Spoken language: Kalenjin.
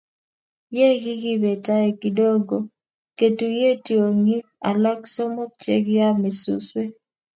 Ye kikibe tai kidogo ketuye tiong'ik alak somok che kiame suswek